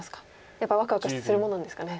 やっぱりワクワクするものなんですかね。